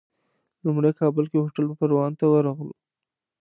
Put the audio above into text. لومړی کابل کې هوټل پروان ته ورغلو.